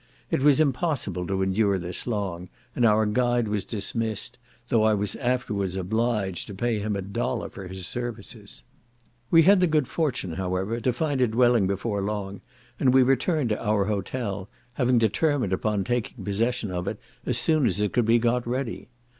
It was impossible to endure this long, and our guide was dismissed, though I was afterwards obliged to pay him a dollar for his services. We had the good fortune, however, to find a dwelling before long, and we returned to our hotel, having determined upon taking possession of it as soon at it could be got ready.